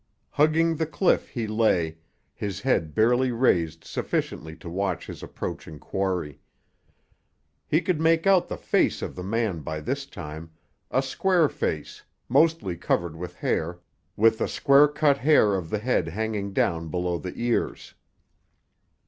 Hugging the cliff he lay, his head barely raised sufficiently to watch his approaching quarry. He could make out the face of the man by this time, a square face, mostly covered with hair, with the square cut hair of the head hanging down below the ears.